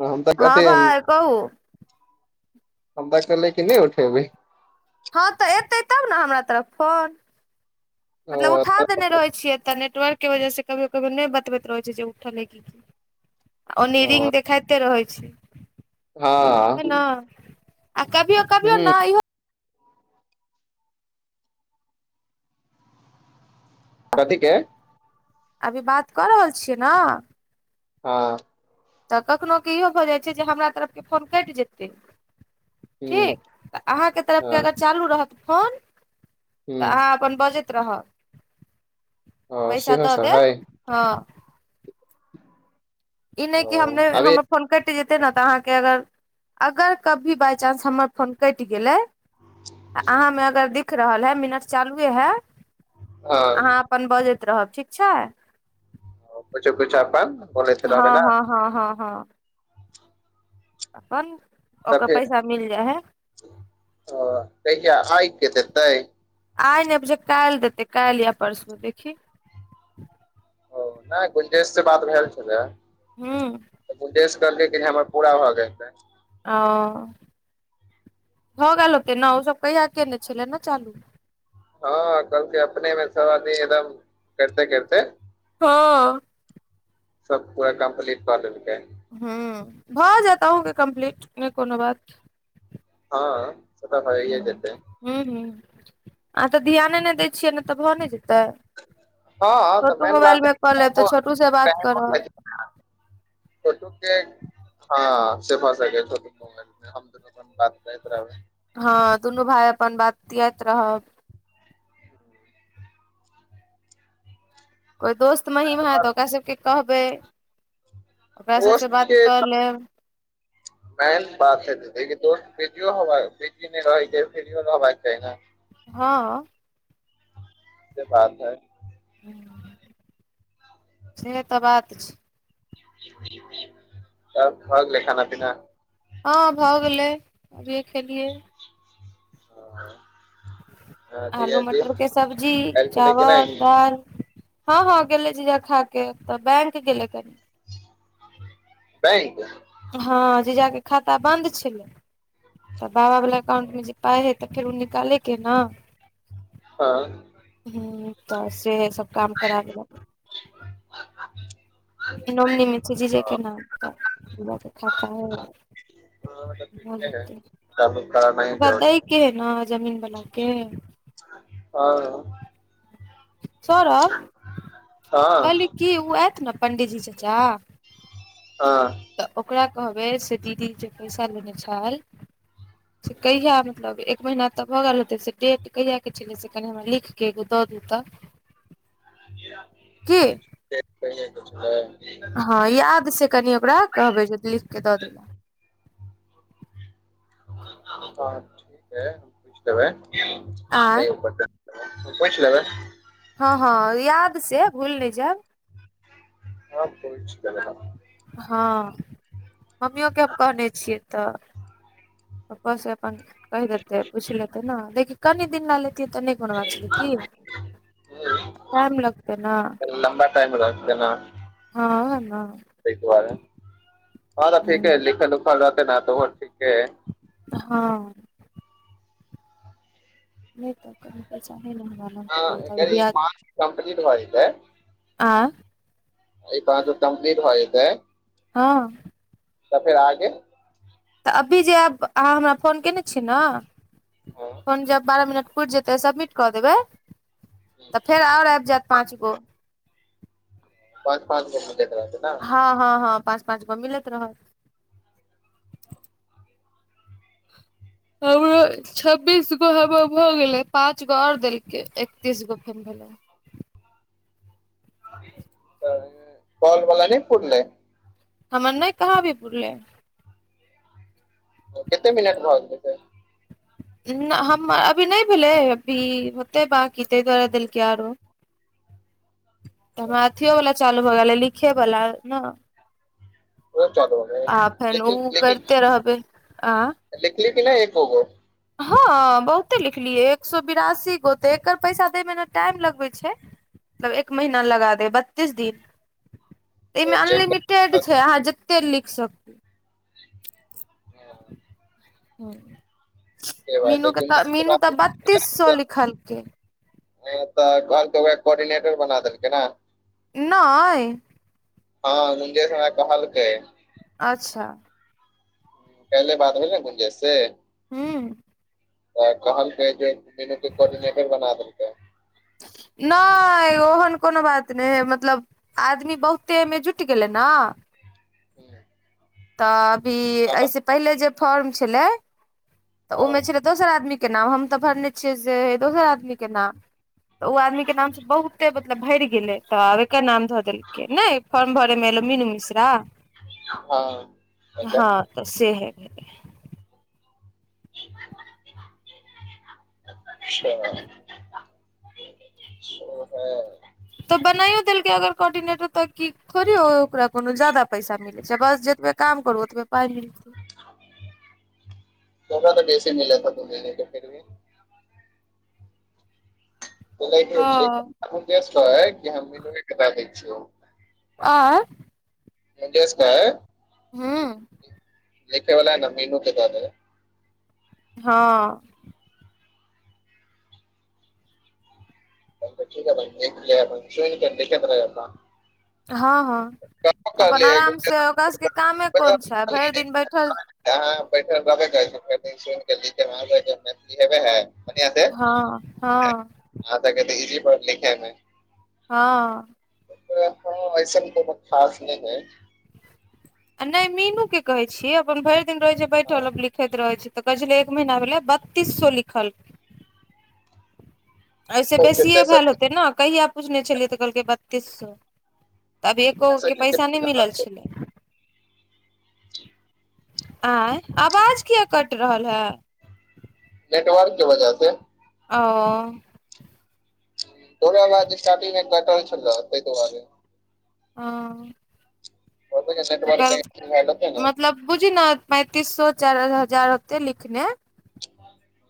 हम तऽ हँ अथि अन्, भाय कहू हम तऽ कहलै कि नैय उठेबै। हँ तऽ एतै तब न हमरा तरफ फोन? ओ मतलब उठा देने रहै छियै, एतऽ नेटवर्क के वजह से कभियो-कभियो नैय बतबैत रहै छै जे उठल हई की की? ओने रिंग ओ देखाइते रहै छै, हँ एना? आ कभीयो कभीयो ह न इहो कथि के? अभी बात कऽ रहल छियै न? हँ। तऽ कखनो क इहो भऽ जाइ छै, जे हमरा तरफ के फोन कैइट जेतै ह ठीक? तऽ अहाँके तरफ के अगर चालू रहत फोन ह तऽ अहाँ अपन बजैत रहब, ह पैसा सेहो दऽ सब देत, है हँ। ई नैय ओ कि हम नैय, अभी हम अप फोन कैइट जेतै ने तऽ, अहाँके अगर, अगर कभी बाइचान्स हमर फोन कैइट गेलै आ अहाँ में अगर दिख रहल है, मिनट चालुए है, हँ अहाँ अ अपन बजैत रहब, ठीक छै? ओ कुछो कुछो अपन बोलैत रहबै ने हँ-हँ-हँ-हँ-हँ। अपन ओकर पैसा मिल जाइ हैइ। अऽ कहिया? आइ के देतै? आइ नैय बुझैऽय काइल देतै, काइल या परसू देखी ओ नाइ गुंजेश स बात भेल छलैऽ। हुँ। त गुंजेश कहलकै कनि हमर पूरा भऽ जैते। ओ भऽ गेल हेतै ने ओसभ कहिया केने छलै ने चालू। हाँ कहलकै अपने मे सब आदमी एकदम करिते करिते हाँ। सब पूरा कम्प्लीट कऽ लेलके। हुँ भऽ जेतौ अहुंके कम्प्लीट नै कोनो बात। हाँ। हुँ हुँ हूँ अहां तऽ ध्याने नहि दै छियै नहि तऽ भऽ नहि जेतै। हँ तऽ छोटू मेन बात मोबाईलमे कऽ लेब तऽ है छोटूसँ बात करब। छोटु के हाँ सेभऽ सकैये छोटु हम दुनु भाय बात करैत रहबै। हाँ दुनू भाय अपन बतियाइत रहब। कोइ दोस्त महीम हय तऽ ओकरा सबके कहबै ओकरा दोस्त सबसँ बात के कऽ लेब। मेन बात छैय दीदी दोस्त फ्री हो फ्री नहि रहै छैय फ्रीयो रहबाक चाह ने। हाँ। से बात है। हा से तऽ बात छै। तब भ गेलै खाना पीना। हाँ भऽ गेलै, अभिए खेलियै। हाँ। हँ जी आलू जी मटर के सब्जी काल्हि छलै कि चावल, नहि दालि। हाँ हाँ गेलै जीजा खा के तऽ बैंक गेलै कनि। बैंक। हाँ जीजाके खाता बंन्द छलै। तऽ बाबा वला एकाउंट मे जे पाइ हइ तऽ फेर ओ निकालेके हे ने। हँ हुँ तऽ से सब काम करा देलक। नोमनीमे छै जीजे के नाम तऽ बाबाके खाता तऽ भऽ ठीके है जेतै तब करनाइ ओकरा जरूरी दैके के रहे ने जमीन वलाके। [inaudible] हाँ। सौरभ, हँ कहली की ओ आयत ने पण्डीजी चाचा हाँ। तऽ ओकरा कहबै से दीदी जे पैसा लेने छै से कहिया मतलब एक महीना तऽ भऽ गेल हतै से डेट कहियाके छलै से कनि हमरा लिख कऽ एगो दऽ दै तऽ। [inaudible] की डेट कहियाके छलै। हाँ याद से कनि ओकरा कहबै जे लिखके दऽ दैले। हाँ ठीक है हम पूछि लेबै, कहि आँय देतै। पुछि लेबै। हाँ हाँ याद से भूलि नै जायब। हाँ पुछि लेबै हम। हाँ, मम्मियो के हम कहने छियै तऽ। पप्पा से अपन कहि देतै पूछि लेते ने, देखी कनि दिन ले लेतियै त नै कोनो बात छै कि, टाइम लगतै ने। लंबाटाइम लगतेना। हँ न। त दुआरे हँ तऽ ठीक है लिखल उखल रहतै न तऽ ठीके है। हँ। नहि पकडलकै तऽ कमैै ने हम। हँ अकर ई पांच कम्प्लीट भ जेतै। आ। अ कह त कम्प्लीट भ जेते हँ। तऽ फेर आगे। तऽ अभी जेयब अहाँ हमरा फोन कयने छी ने हाँ फोन जब बारह मिनट। फूटि जेतै सबमिट कऽ देबै तऽ फेर आओर आबि जायत पाँच गो। पाँच पाँचिनट तक रहतै। ने हँ हँ हँ पाँच पाँच गो मिलैत रहत। छब्बीस गो ह भ गेलै पाँच गो आओर देलकै एकतीस गो। खूब भेले। काईल बला नहि पुरलै। हमर नहि कहाँ अभी पुरले। कते मिनट भ गेल से। हमर अभी नहि भेलै अभी होतै बाकी ताहि दुआरे देलकै आरो। तऽ हमर अथियो वला चालू भऽ गेले लिखे बला न ओ चलू आ फेर लिखी उ करते रहबै आ। त लिखली कीनै एकोगो। हँ बहुते लिखलियै एक सए बिरासी गो ते एकर पैसा देैमे ने टाइम लगबै छै। मतलब एक महीना लगा दे बत्तीस दिन। त एहिमे चेक अनलिमिटेड छै कर। अहाँ जते लिख सकी। [unintelligible] ह बात मीनू है के तऽ गुंजेश मीनू बात तऽ बत्तीस सए लिखलकै। तऽ घरके कोर्डिनेटर बना देलकै न। नई। हँ निकेश हमरा कहलकै। अच्छा पहिले बात भेलै से गुंजे से। हँ। तऽ कहलकै जे मीनू के कोर्डिनेटर बना देलके। नहि ओहन कोनो बात नहि है मतलब। आदमी बहुते एहिमे जुटि गेलै न। हं। तऽ अभी एहिस पहिले जे फॉर्म छलै तऽ हँ ओमे छलै दोसर आदमी। के नाम हम तऽ भरने छियै से दोसर आदमी के नाम। तऽ ओ आदमीके नामसँ बहुते मतलब भरि गेलै तऽ आब एकर नाम धऽ देलकै नहि। फाम भरै मे एल मीनू मिश्रा। हँ। अच्छा हँ तऽ से हे भेले। अच्छा। ओ ह [unintelligible] तऽ बनाइयो देलकै अगर कोर्डिनेटर त कि थोड़े ओकरा कोनो जादा पैसा मिले छै बस जतबे काम करू ओतबे पाय मिलतै। तोका तऽ बेैसे नहि लेता तूने के फिर भी [unintelligible] कि हँ हम मीनूए के दैय दै छियौ। आंय। एस क [inaudible] हूॅं। लिखेवला न मीनू के दऽ देबै। हाॅं। चऽ ठीक है अपन रह [inaudible] हाॅं हाॅं कर अपन आराम से, ओकरा सबके कामे कोन छै भरि दिन बैठल। हाॅं बैठल रहबे करै छै, सुन क लिख मे मैथिली हेबे है। हाॅं हाॅं। अहाॅं तऽ कहलियै इजी पडत लिखैमे।। हाॅं। हमको लगा हाॅं ऐसन कोनो खास नहि है। आ नहि मीनू के कहे छियै, अपन भरि दिन रहे छै हँ बैठल। लिखैत रहै छै तऽ कहै छलै, एक महीना भेलै बत्तीस सौ लिखलकै। एहिसे बेसिए कते भेल हेतै ने कहिया पूछने छलियै तऽ कहलकै बत्तीस सौ। तऽ अभी एकोेगो के पैसा नहि मिलल छलै। ठीक। आंय। आवाज किया कटि रहल है। नेटवर्क के वजह से। ओ। थोड़े बाद स्टार्टिंग मे कटल छलै तै द्वारे। हाॅं। और नेटवर्क कही शुरू भेल हेतै ने। बुझि ने पैंतीस सौ चारि हजार होतै लिखने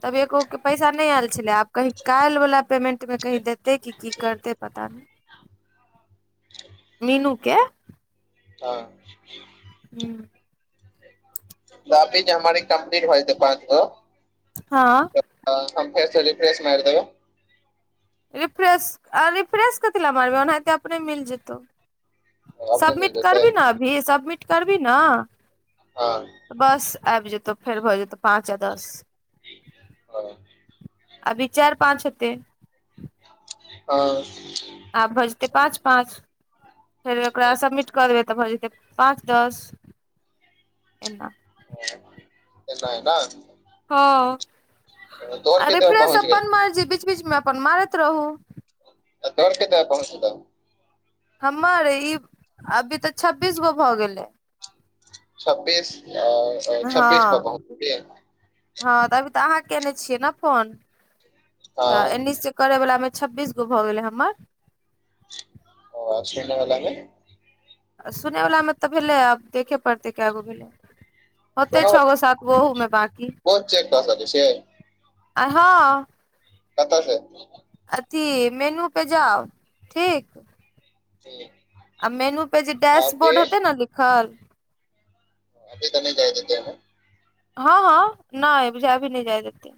तब एगो के पैसा नहि आयल छलै, आब कही काल्हि वला पेमेंट में कही दे देतै की कि करतै पता नहि। [inaudible] मीनू के। हाॅं। हूॅं। टाॅपिक जे हमर ई कम्प्लीट भ जैते पाँच सौ। हाॅं। ह हम फेर से रिफ्रेश मारि देबै। रिफ्रेश आ रिफ्रेश कथी ले मारबहीन ओनाहिते अपने मिल जेतौ। अपने मिल सबमिट जेतै करबही ने अभी, सबमिट करबही ने हाॅं। तऽ बस आबि जेतहु फेर भऽ जेतहु पाँच या दस। ओह। अभी चार-पाँच हेतै। हाॅं। आब भ जते पाँच-पाँच। फेर ओकरा सबमिट कऽ देबै तऽ भऽ जेतै पाँच-दस ऐना। एना एना। हाॅं तोहर कते पर रिफ्रेश पहुँच गेल अपन मरजी बीच-बीचमे अपन मारैत रहूॅं। ककर केता कतय पहुँच लऽ। हमर ई अभी तऽ छब्बीस गो भऽ गेलै। छब्बीस अ छब्बीस पे पहुचली। हाॅं तऽ अभी तऽ अहाँ केने छियै, ने फोन तऽ एन्हि हँ स। करै वला मे छब्बीस गो भऽ गेले हमर। सुनऽ बला में। आ सुनय वला मे तऽ भेलै आब देखे पड़तै कए गो भेलै। होते सुनै छ वला गो सात गो अहुमे बाँकी, कोन चेक कऽ सकै छियै आ हँ। कतऽ के। अथी मेनू पे जाउ ठीक। आ मेनू पे जे अभी डैशबोर्ड हेतै ने लिखल। अभी त नै जाइ हेतै हं। हँ हँ नै बुझाय अभी नै जाय देतै।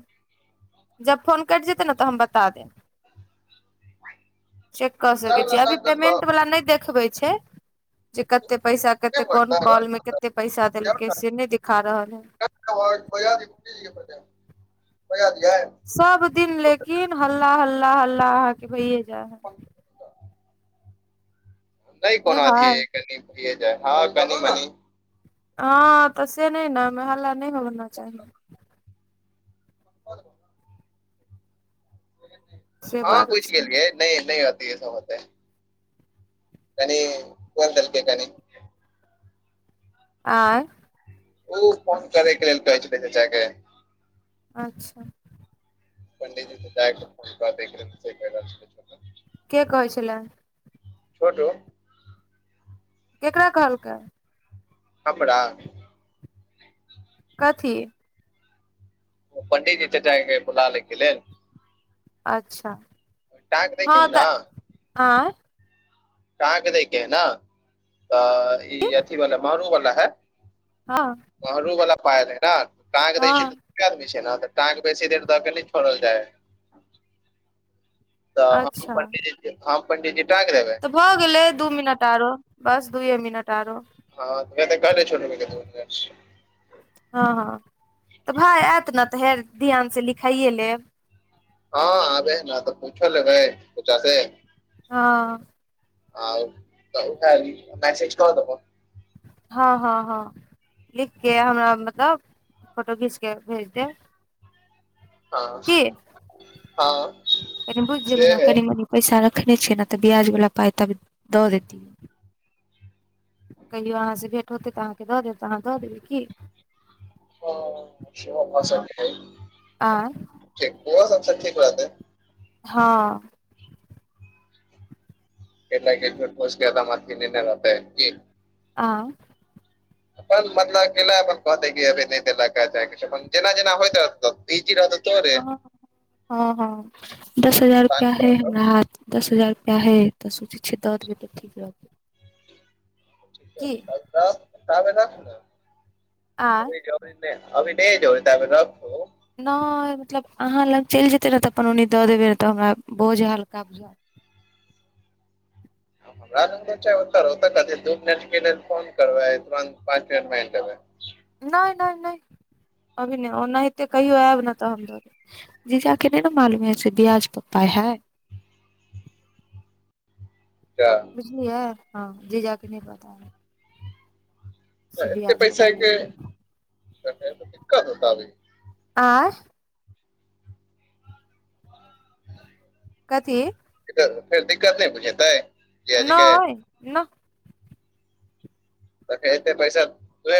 जब फोन कैट जेतै न तऽ हम बता देब। चेक कऽ सकै छियै अभी पेमेंट वला नै देखबै छै। जे कते पैसा कते कोन कॉल मे कते पैसा देलकै से नै दिखा रहल हइ। [unintelligible] बजादियै। सब दिन लेकिन हल्ला हल्ला हल्ला अहाँके भइये जाइत। नै नहि भाय बनादियै कनी। दिये जाइ हँ कनी मनी। हँ तऽ से नै ने अइमे हल्ला नै ने होना चाही। [inaudible] से हँ बात बुइझ छै गेलियै नै नै अथी होतेै। कनी क देलके कनी। आंइ। उ फोन करे के लेल कहे छथिन चचा के। अच्छा। पंडितजी। [unintelligible] के कहै छले। छोटू। केकरा कहलकै। हमरा। कथी। पंडितजी चचा के बोला लै के लेल। अच्छा टाँग दैके हँ है न तऽ आँइ। अहाँके दैके है न तऽ ई अथी वाल मारू वाला हइ। हँ। महरूवला पायल है न कहाँके देखियो। हँ किये आदमी छै ने तऽ टांक बेसी देर दऽ के नै छोड़ल जाइ हइ। तऽ हम अच्छा पंडिजी हम पंडिजी टाक देेबै। तऽ भऽ गेलै दू मिनट आरो बस दूयए मिनट आरो। हँ तऽ [unintelligible] हँ हँ तऽ भाय एत ने तऽ हे ध्यान से लिखाइए लेब? हँ आबे है ने तऽ पूछो लेबै अच्छा से। हँ। आइ तऽ उ कैल मैसेज कऽ देबौ। हँ हँ हँ लिखके हमरा मतलब फोटो घीचके भेज देब। हँ कि हँ एखन बुइझ जेबै से ने है कनिमनी- पैसा रखने छियै ने तऽ ब्याज बला पाइ ताबे दऽ देैतियै। कहियो आहाँसे भेट होतै तऽ आहाँके दऽ देब तऽ आहाँ दऽ देबै की। हँ सेहो भऽ हँ सकैय आँय [unintelligible] हँ। ऐना [unintelligible] नैने रहतै कि आँ अपन मतलब [unintelligible] नै देलकेए जेना जेना होइत रहतै इजी रहतौ। तोरे हँ, हँ, हँ दस हजार रुपया है हमरा हाथ मे। दस हजार रुपआ हैय तऽ सोचै छीयै दऽ देबै तऽ ठीक रहतै की। तऽ ताबे रख ले आँय अभि नै अभि नै जेबै ताबे रखो। नै मतलब आहाँ लग चैल जेतै नै तऽ अपन ओनी दऽ देबै तऽ हमरा बोझ हल्का बुझ हमरा लंग देब चाहे ओतऽ रहौ [unintelligible] दो मिनट के लेल फोन करबै तुरन्त पाँच मिनट मे अैन देबै। नैय- नैय- नेैय अभी नै ओनाहिते कहियो आएब नहि तऽ हम दऽ देब। जीजा कऽ नै- ने मालूम है से ियाज पऽ पाय है। क्या- बुझलियै हँ जिजा कऽ नै पता है। से तऽ एतेक ब्याज वाला पैसा के हेतै फेर तऽ दिक्कत होत अभि। आँय कथी दिक्कत फेर दिक्कत नै बुझेतै। जे जेके नैय- नऽ फेर तऽ एते पैसा। तोहे